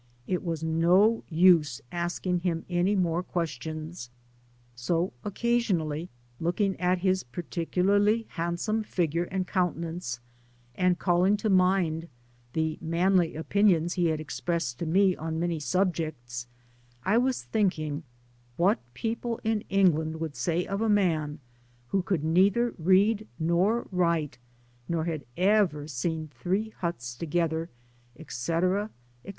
It was no use asking him any more questions ; so, occasionally looking at his particularly handsome figure and countenance, and calling to mind the manly opinions he had expressed to me on many subjects, I was thinking what people in England would say of a man who could neither read nor write, nor had ever seen three huts together, &c. &c.